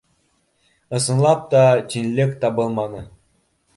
Ысынлап та, тинлек табылманы